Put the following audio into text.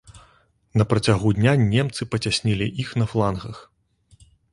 На працягу дня немцы пацяснілі іх на флангах.